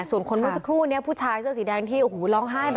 ส่วนคนว่าสักครู่ผู้ชายเสื้อสีแดงที่ร้องไห้